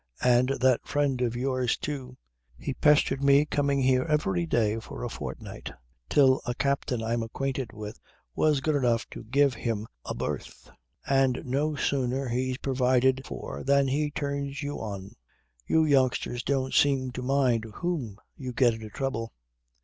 "And that friend of yours too. He pestered me coming here every day for a fortnight till a captain I'm acquainted with was good enough to give him a berth. And no sooner he's provided for than he turns you on. You youngsters don't seem to mind whom you get into trouble."